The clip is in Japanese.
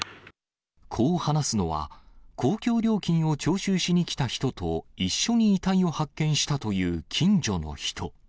こう話すのは、公共料金を徴収しに来た人と一緒に遺体を発見したという近所の人。